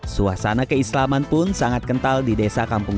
suasana keislaman pun sangat kental di desa kampung